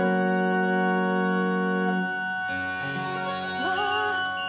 うわ。